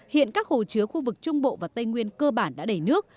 hiện các hồ chứa khu vực trung bộ và tây nguyên cơ bản đã đầy nước